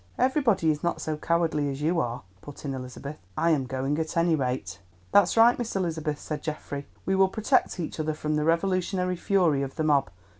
"Everybody is not so cowardly as you are," put in Elizabeth. "I am going at any rate." "That's right, Miss Elizabeth," said Geoffrey; "we will protect each other from the revolutionary fury of the mob.